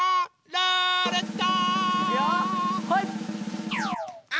ルーレット！